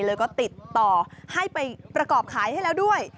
แล้วก็ติดต่อให้ไปประกอบขายให้แล้วด้วย